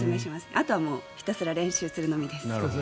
あとはひたすら練習するのみです。